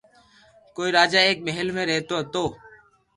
ڪوئي راجا ايڪ مھل ۾ رھتو ھتو